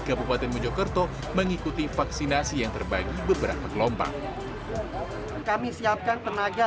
kabupaten mojokerto mengikuti vaksinasi yang terbagi beberapa gelombang kami siapkan tenaga